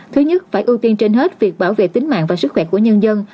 thứ nhất phải ưu tiên trên hết việc bảo vệ tính mạng và sức khỏe của nhân dân